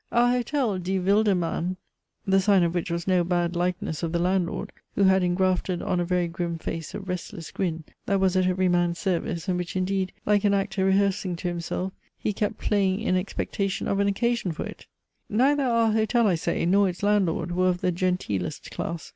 Our hotel DIE WILDE MAN, (the sign of which was no bad likeness of the landlord, who had ingrafted on a very grim face a restless grin, that was at every man's service, and which indeed, like an actor rehearsing to himself, he kept playing in expectation of an occasion for it) neither our hotel, I say, nor its landlord were of the genteelest class.